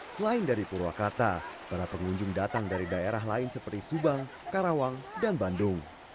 selain dari purwakarta para pengunjung datang dari daerah lain seperti subang karawang dan bandung